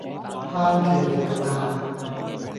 慳住嚟用呀